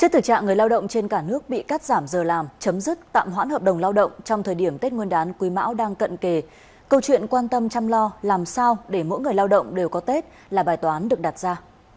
trong thời điểm tết nguyên đán quỳ mão đang cận kề câu chuyện quan tâm chăm lo làm sao để mỗi người lao động đều có tết là bài toán được đặt ra